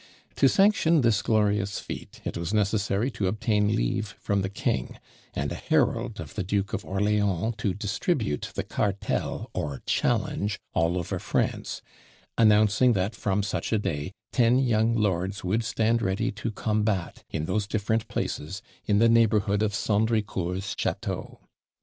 To sanction this glorious feat it was necessary to obtain leave from the king, and a herald of the Duke of Orleans to distribute the cartel or challenge all over France, announcing that from such a day ten young lords would stand ready to combat, in those different places, in the neighbourhood of Sandricourt's château.